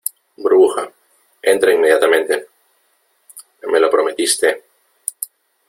burbuja , entra inmediatamente . me lo prometiste .